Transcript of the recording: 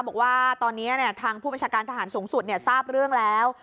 บอกว่าตอนนี้ทางผู้บัญชาการทหารสูงสุดทราบเรื่องแล้ว